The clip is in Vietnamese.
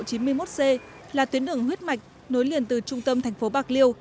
tuyến quốc lộ chín mươi một c là tuyến đường huyết mạch nối liền từ trung tâm thành phố bạc liêu